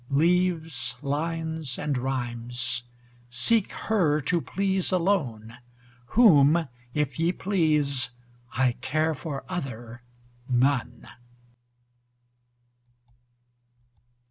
Leaves, lines, and rhymes, seek her to please alone, Whom if ye please, I care for other none.